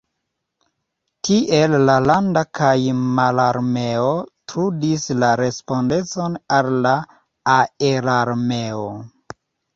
Tiel la landa kaj mararmeo trudis la respondecon al la aerarmeo.